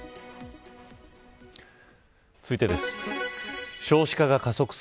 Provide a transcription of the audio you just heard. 続いてです。